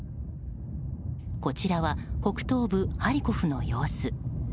こちらは北東部ハリコフの様子。